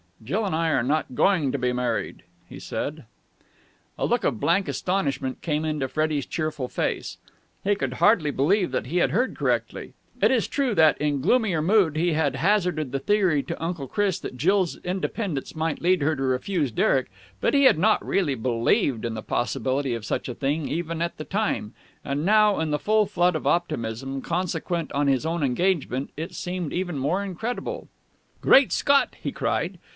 "Jill and I are not going to be married," he said. A look of blank astonishment came into Freddie's cheerful face. He could hardly believe that he had heard correctly. It is true that, in gloomier mood, he had hazarded the theory to Uncle Chris that Jill's independence might lead her to refuse Derek, but he had not really believed in the possibility of such a thing even at the time, and now, in the full flood of optimism consequent on his own engagement, it seemed even more incredible. "Great Scott!" he cried.